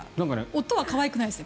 音は可愛くないですね